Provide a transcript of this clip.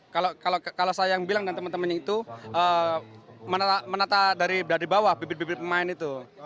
kalau saya yang bilang dan teman temannya itu menata dari bawah bibit bibir pemain itu